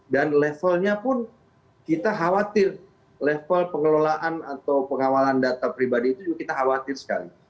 levelnya pun kita khawatir level pengelolaan atau pengawalan data pribadi itu juga kita khawatir sekali